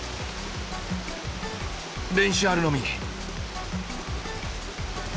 練習あるのみ。